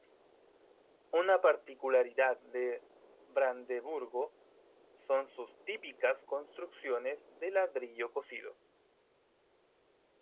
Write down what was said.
Una particularidad de Brandeburgo son sus típicas construcciones de ladrillo cocido.